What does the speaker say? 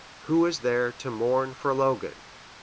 "Who is there to mourn for Logan?"